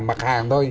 mặc hàng thôi